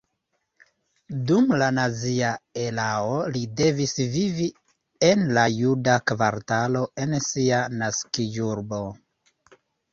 Dum la nazia erao li devis vivi en la juda kvartalo en sia naskiĝurbo.